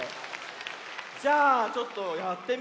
じゃあちょっとやってみようか。